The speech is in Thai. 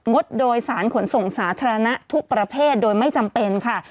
ดโดยสารขนส่งสาธารณะทุกประเภทโดยไม่จำเป็นค่ะ